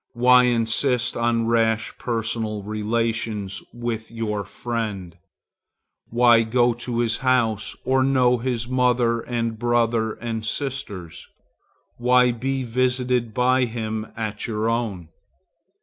Why insist on rash personal relations with your friend? Why go to his house, or know his mother and brother and sisters? Why be visited by him at your own?